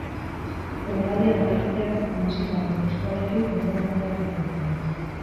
Denboraldia amaitzean hamaseigarren postuarekin konformatu behar izan zuen.